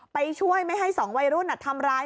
ไปช่วยไม่ให้สองวัยรุ่นทำร้าย